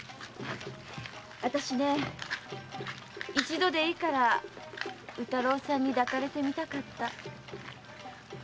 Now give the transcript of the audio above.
私ね一度でいいから宇太郎さんに抱かれてみたかった。